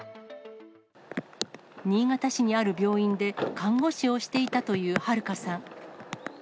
新潟市にある病院で看護師をしていたという春香さん。